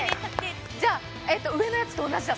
じゃあ上のやつと同じだ。